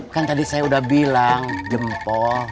kan tadi saya udah bilang jempol